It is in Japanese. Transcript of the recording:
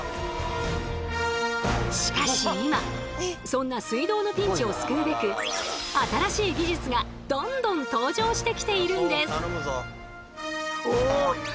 しかし今そんな水道のピンチを救うべく新しい技術がどんどん登場してきているんです。